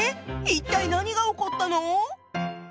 一体何が起こったの？